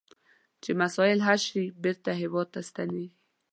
چې مسایل حل شي بیرته هیواد ته ستنیږي.